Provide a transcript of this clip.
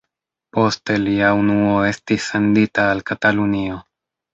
Poste lia unuo estis sendita al Katalunio.